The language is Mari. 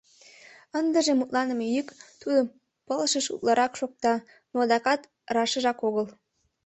Ындыже мутланыме йӱк тудын пылышыш утларак шокта, но адакат рашыжак огыл.